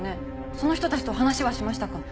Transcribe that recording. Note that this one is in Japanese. その人たちと話はしましたか？